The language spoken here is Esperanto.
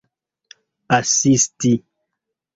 asisti